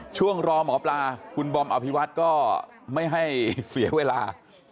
ช่วงรอหมอปลาคุณบอมอภิวัตก็ไม่ให้เสียเวลา